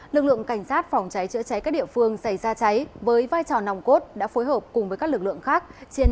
lực lượng cảnh sát phòng cháy chữa cháy các địa phương xảy ra cháy với vai trò nòng cốt đã phối hợp cùng với các lực lượng khác